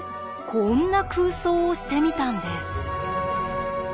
こんな空想をしてみたんです。